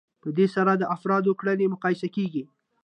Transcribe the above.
په دې سره د افرادو کړنې مقایسه کیږي.